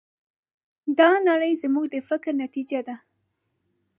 دا نړۍ زموږ د فکر نتیجه ده.